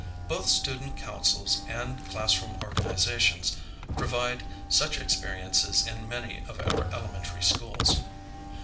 Both student councils and classroom organizations provide such experiences in many of our elementary schools.